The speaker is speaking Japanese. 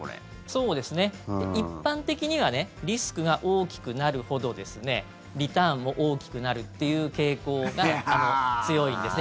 そうですね、一般的にはリスクが大きくなるほどリターンも大きくなるっていう傾向が強いんですね。